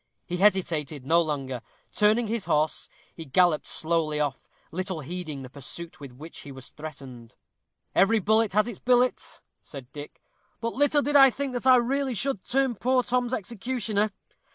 He hesitated no longer. Turning his horse, he galloped slowly off, little heeding the pursuit with which he was threatened. "Every bullet has its billet," said Dick; "but little did I think that I really should turn poor Tom's executioner.